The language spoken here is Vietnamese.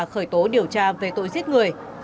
khởi tố điều tra về tội giết người